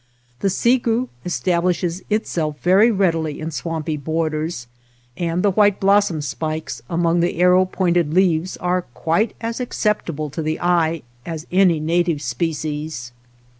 The seegoo establishes it self veiy 4^adil y in sw ampy J3Qrders,^nd th e white blossom spikes amo»g tke arrQw pointed leaves are £uite as acceptable to the eye as any native species.